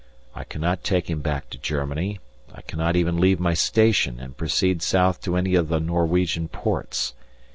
I cannot take him back to Germany; I cannot even leave my station and proceed south to any of the Norwegian ports.